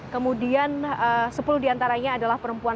kemudian sepuluh diantaranya adalah perempuan